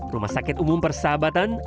rumah sakit umum persahabatan